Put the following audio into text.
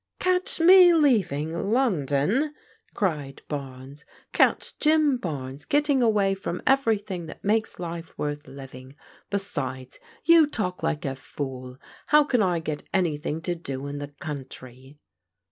" Catch me leaving London !" cried Barnes. " Catdi Jim Barnes getting away from everything that makes life worth living. Besides, you talk like a fooL How can I get anything to do in the country?"